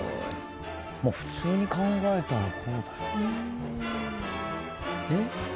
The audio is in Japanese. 普通に考えたらこうだろう。えっ？